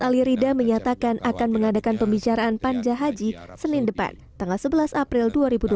ali rida menyatakan akan mengadakan pembicaraan panja haji senin depan tanggal sebelas april dua ribu dua puluh